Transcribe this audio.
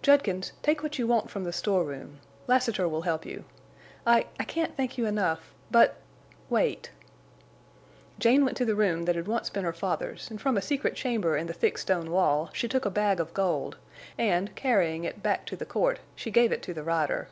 "Judkins, take what you want from the store room. Lassiter will help you. I—I can't thank you enough... but—wait." Jane went to the room that had once been her father's, and from a secret chamber in the thick stone wall she took a bag of gold, and, carrying it back to the court, she gave it to the rider.